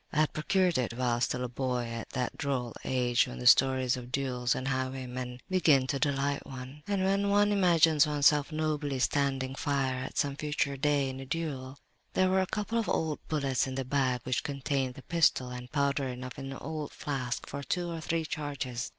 I had procured it while still a boy, at that droll age when the stories of duels and highwaymen begin to delight one, and when one imagines oneself nobly standing fire at some future day, in a duel. "There were a couple of old bullets in the bag which contained the pistol, and powder enough in an old flask for two or three charges.